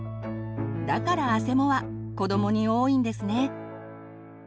だからあせもは子どもに多いんですね。